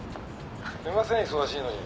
すいません忙しいのに。